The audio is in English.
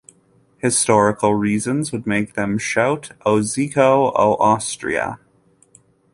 Historical reasons would make them shout O Zico, o Austria!